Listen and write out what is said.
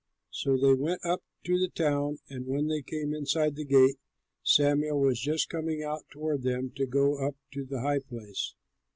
So they went up to the town, and when they came inside the gate, Samuel was just coming out toward them to go up to the high place.